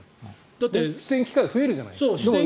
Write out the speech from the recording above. そう出演機会、増えるじゃない。